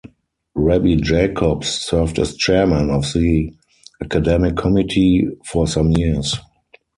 Rabbi Jacobs served as Chairman of the Academic Committee for some years.